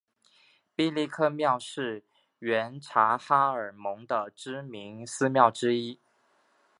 毕力克庙是原察哈尔盟的知名寺庙之一。